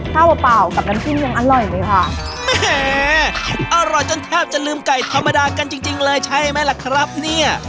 ข้าวเปล่ากับกันขึ้นยังอร่อยเลยค่ะอร่อยจนแทบจะลืมไก่ธรรมดากันจริงเลยใช่มั้ยล่ะครับเนี้ย